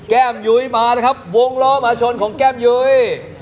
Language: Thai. แก้มยุ้ยมานะครับวงล้อมาชนของแก้มยุ้ย